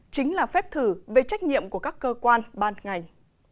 chính là phép thử về trách nhiệm của các cơ quan ban ngành